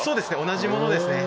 同じものですね。